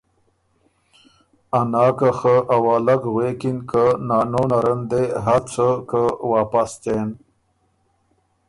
ا ناکه خه اوالګ غوېکِن که ”نانو نر ان دې هۀ څۀ که واپس څېن“